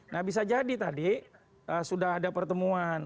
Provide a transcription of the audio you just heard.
nah bisa jadi tadi sudah ada pertemuan